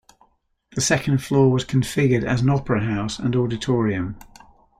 The second floor was configured as an opera house and auditorium.